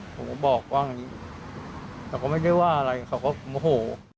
ผมก็บอกว่าอย่างนี้แต่ก็ไม่ได้ว่าอะไรเขาก็โมโห